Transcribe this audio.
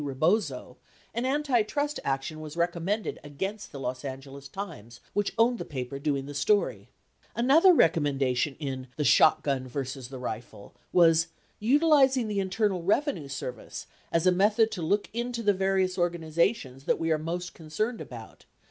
Rebozo, an antitrust action was recommended against the Los Angeles Times, which owned the paper doing the story . 65 Another recommendation in "The Shotgun versus the Rifle" was "utilizing the Internal Revenue Service as a method to look into the various organizations that we are most concerned about.